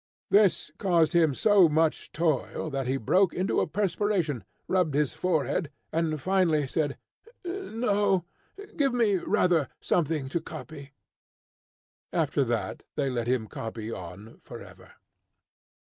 This caused him so much toil, that he broke into a perspiration, rubbed his forehead, and finally said, "No, give me rather something to copy." After that they let him copy on forever.